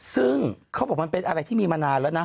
ซึ่งเขาบอกมันเป็นอะไรที่มีมานานแล้วนะ